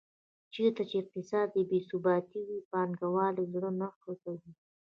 چېرته چې اقتصادي بې ثباتي وي پانګوال زړه نه ښه کوي.